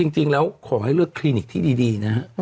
จริงแล้วขอให้เลือกคลินิกที่ดีนะฮะ